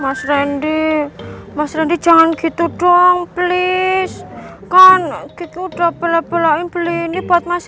mas rendy mas rendy jangan gitu dong please kan gitu udah bela belain beli ini buat mas